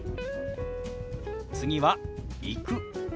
次は「行く」。